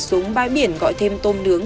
xuống bãi biển gọi thêm tôm nướng